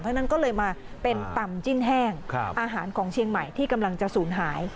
เพราะฉะนั้นก็เลยมาเป็นตำจิ้นแห้งอาหารของเชียงใหม่ที่กำลังจะศูนย์หาย